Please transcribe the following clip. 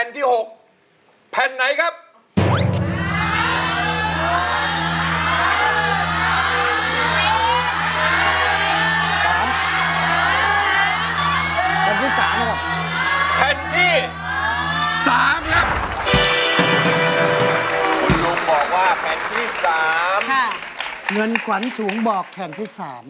เงินขวนถุงบอกแผ่นที่๓